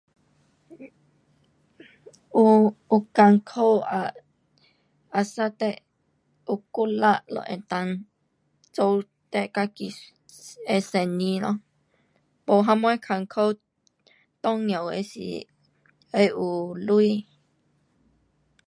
有，有困苦啊，asal 你有努力就能够做自己的生意咯。没什么困苦，重要的是要有钱。